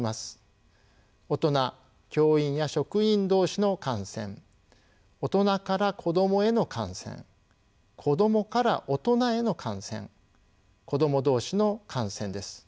大人教員や職員同士の感染大人から子どもへの感染子どもから大人への感染子ども同士の感染です。